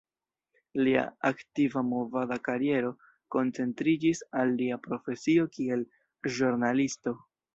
Lia aktiva movada kariero koncentriĝis al lia profesio kiel ĵurnalisto.